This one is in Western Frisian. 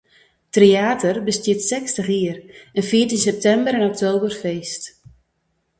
Tryater bestiet sechstich jier en fiert yn septimber en oktober feest.